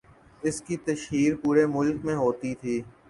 اس کی تشہیر پورے ملک میں ہوتی تھی۔